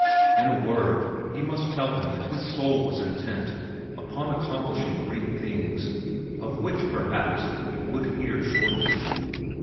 In a word, he must tell him that his soul was intent upon accomplishing great things, of which, perhaps, he would hear shortly.